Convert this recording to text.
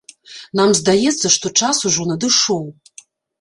Нам здаецца, што час ужо надышоў.